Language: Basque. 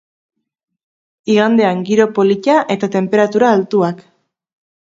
Igandean, giro polita eta tenperatura altuak.